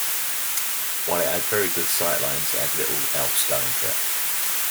While it had very good sight lines, it had little else going for it.